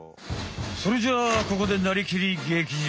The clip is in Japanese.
それじゃあここで「なりきり！劇場」。